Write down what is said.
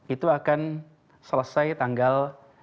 itu akan selesai tanggal dua puluh satu